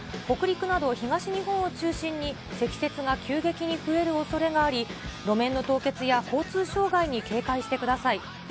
北陸など東日本を中心に、積雪が急激に増えるおそれがあり、路面の凍結や交通障害に警戒してください。